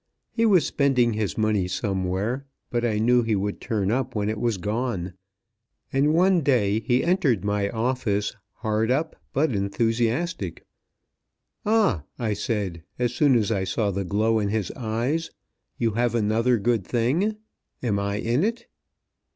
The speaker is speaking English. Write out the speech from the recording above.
He was spending his money somewhere, but I knew he would turn up when it was gone; and one day he entered my office hard up, but enthusiastic. "Ah," I said, as soon as I saw the glow in his eyes, "you have another good thing? Am I in it?"